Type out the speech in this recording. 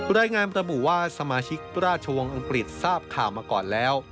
รายงานระบุว่าสมาชิกราชวงศ์อังกฤษทราบข่าวมาก่อนแล้ว